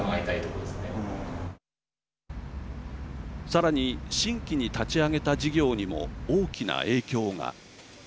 さらに新規に立ち上げた事業にも大きな影響が。